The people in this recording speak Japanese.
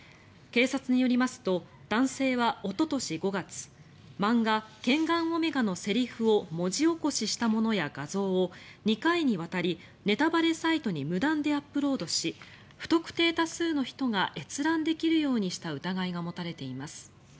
警察によりますと男性はおととし５月漫画「ケンガンオメガ」のセリフを文字起こししたものや画像を２回にわたりネタバレサイトに無断でアップロードし不特定多数の人が閲覧できるようにした疑いが持たれています。